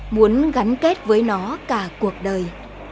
muốn gắn kết với nó cả cuộc đời